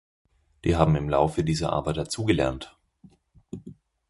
Die haben im Laufe dieser Arbeit dazugelernt.